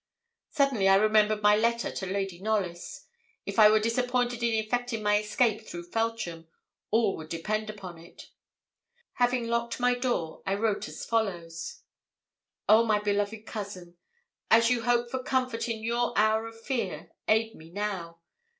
Suddenly I remembered my letter to Lady Knollys. If I were disappointed in effecting my escape through Feltram, all would depend upon it. Having locked my door, I wrote as follows: 'Oh, my beloved cousin, as you hope for comfort in your hour of fear, aid me now.